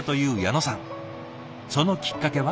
そのきっかけは？